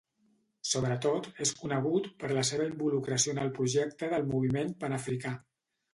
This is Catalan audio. Sobretot és conegut per la seva involucració en el projecte del moviment panafricà.